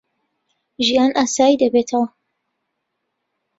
ژیان ئاسایی دەبێتەوە.